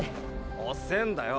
遅っせえんだよ。